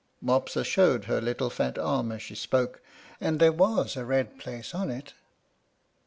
Mopsa showed her little fat arm as she spoke, and there was a red place on it.